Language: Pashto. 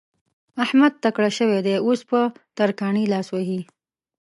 احمد تکړه شوی دی؛ اوس په ترکاڼي لاس وهي.